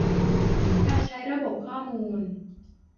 การใช้ระบบข้อมูล